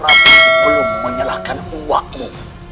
nanda prabu belum menyalahkan uangmu